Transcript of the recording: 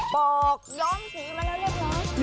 บอกล้องถึงมาแล้วเรียบร้อย